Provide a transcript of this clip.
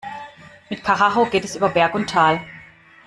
Mit Karacho geht es über Berg und Tal.